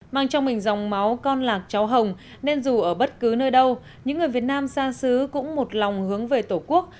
mang trong mình dòng máu con lạc cháu hồng nên dù ở bất cứ nơi đâu những người việt nam xa xứ cũng một lòng hướng về tổ quốc